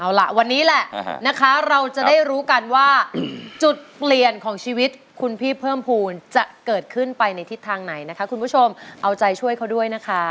เอาล่ะวันนี้แหละนะคะเราจะได้รู้กันว่าจุดเปลี่ยนของชีวิตคุณพี่เพิ่มภูมิจะเกิดขึ้นไปในทิศทางไหนนะคะคุณผู้ชมเอาใจช่วยเขาด้วยนะคะ